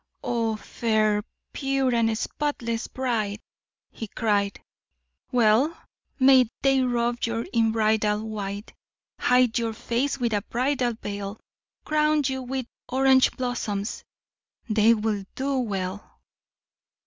"Oh, fair, pure and spotless bride!" he cried; "well may they robe you in bridal white, hide your face with a bridal veil, crown you with orange blossoms! They will do well."